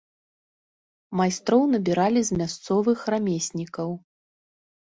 Майстроў набіралі з мясцовых рамеснікаў.